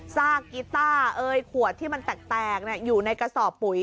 ซากกีต้าขวดที่มันแตกอยู่ในกระสอบปุ๋ย